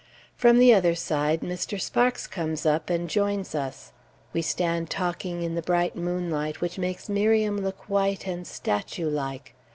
From the other side, Mr. Sparks comes up and joins us. We stand talking in the bright moonlight which makes Miriam look white and statue like.